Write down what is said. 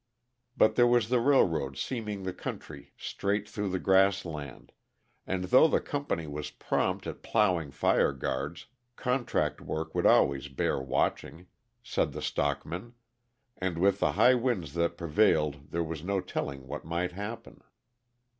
But there was the railroad seaming the country straight through the grassland, and though the company was prompt at plowing fire guards, contract work would always bear watching, said the stockmen, and with the high winds that prevailed there was no telling what might happen.